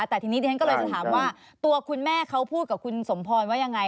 แต่ทีนี้ดิฉันก็เลยจะถามว่าตัวคุณแม่เขาพูดกับคุณสมพรว่ายังไง